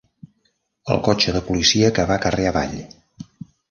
El cotxe de policia que va carrer avall.